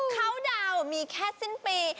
คาวดาวมีแค่สิ้นปี